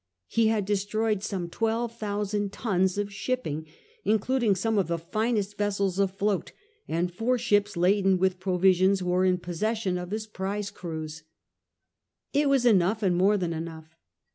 He had destroyed some twelve thousand tons of shipping, in cluding some of the finest vessels afloat^ and four ships laden with provisions were in possession of his prize crews.1 It wafi enough and more than enough.